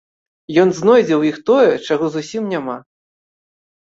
Ён знойдзе ў іх тое, чаго зусім няма.